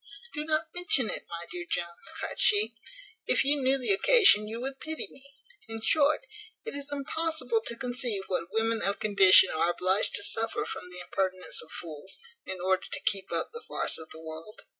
"Do not mention it, my dear Mr Jones," cried she. "If you knew the occasion, you would pity me. In short, it is impossible to conceive what women of condition are obliged to suffer from the impertinence of fools, in order to keep up the farce of the world.